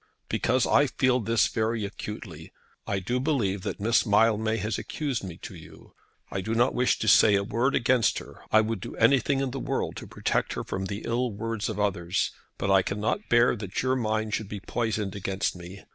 "Because I feel this very acutely. I do believe that Miss Mildmay has accused me to you. I do not wish to say a word against her. I would do anything in the world to protect her from the ill words of others. But I cannot bear that your mind should be poisoned against me.